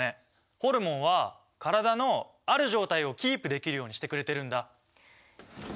ホルモンは体のある状態をキープできるようにしてくれてるんだ。